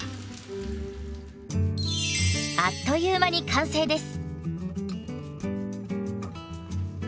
あっという間に完成です。